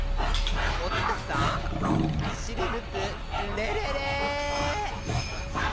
お伝さんシルブプレレレー！